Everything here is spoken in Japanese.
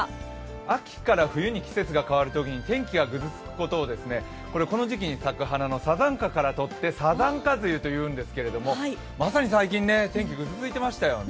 秋から冬に季節が変わるときに天気がぐずつくのをこの時期に咲く花のさざんかからとってさざんか梅雨というんですけれども、まさに最近、天気、ぐずついてましたもんね。